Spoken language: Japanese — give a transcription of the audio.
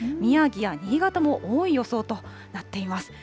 宮城や新潟も多い予想となっています。